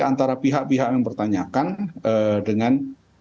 antara pihak pihak yang mempertanyakan dengan